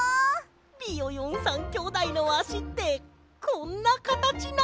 ビヨヨン３きょうだいのあしってこんなかたちなんだ。